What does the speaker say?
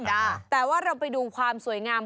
ค่ะจ้าแต่ว่าเราไปดูความสวยงาม